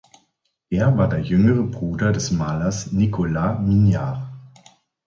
Er war der jüngere Bruder des Malers Nicolas Mignard.